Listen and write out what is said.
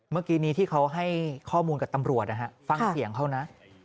เมื่อกี้นี้ที่เขาให้ข้อมูลกับตำรวจนะฮะฟังเสียงเขานะ